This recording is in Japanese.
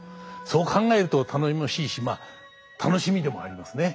そう考えると頼もしいし楽しみでもありますね。